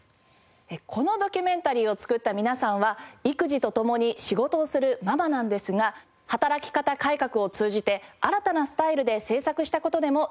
このドキュメンタリーを作った皆さんは育児とともに仕事をするママなんですが働き方改革を通じて新たなスタイルで制作した事でも注目されています。